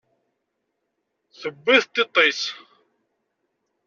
Tewwi-t tiṭ-is.